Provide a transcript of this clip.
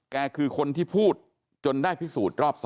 คือคนที่พูดจนได้พิสูจน์รอบ๒